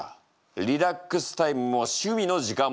リラックスタイムも趣味の時間もない。